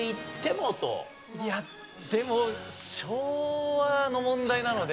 いやでも昭和の問題なので。